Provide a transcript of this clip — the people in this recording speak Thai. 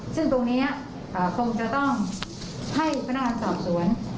ซึ่งตรงนี้คนจะต้องให้พนักตัวโสพศวน